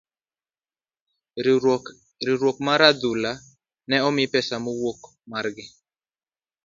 riwruok mar adhula no ne omi pesa maok margi.